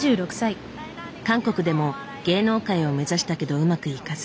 韓国でも芸能界を目指したけどうまくいかず。